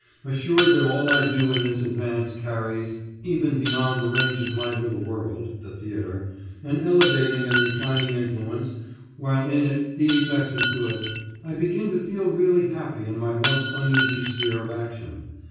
Assured that all I do in this advance carries, even beyond the range of my little world (the theatre), an elevating and refining influence, while in it the effect is good, I begin to feel really happy in my once uneasy sphere of action.